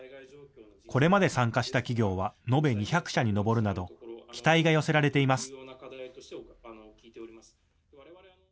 これまで参加した企業は延べ２００社に上るなど期待が寄せられています。